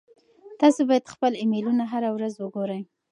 تاسو باید خپل ایمیلونه هره ورځ وګورئ.